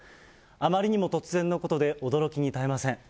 あまりにも突然のことで、驚きに堪えません。